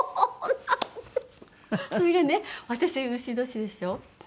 それでね私丑年でしょ。